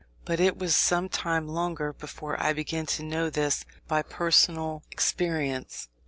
But it was some time longer before I began to know this by personal experience.